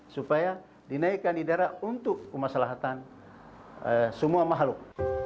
supaya dinaikkan di darat untuk kemaslahatan semua makhluk